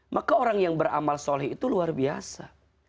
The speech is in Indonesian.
maka orang yang beramal soleh itu luar biasa